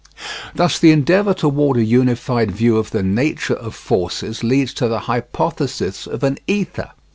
Thus the endeavour toward a unified view of the nature of forces leads to the hypothesis of an ether.